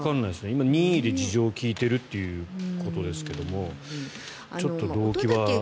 今、任意で事情を聴いているということですけどもちょっと動機は。